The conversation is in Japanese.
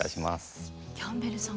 キャンベルさん